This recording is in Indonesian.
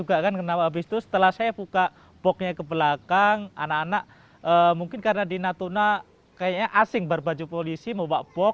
anak anak mungkin karena di natuna kayaknya asing berbaju polisi mau bawa bok